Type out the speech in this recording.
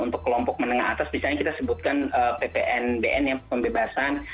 untuk kelompok menengah atas misalnya kita sebutkan ppnbn ya pembebasan